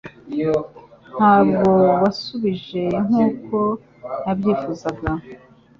Ntabwo wasubije nkuko nabyifuzaga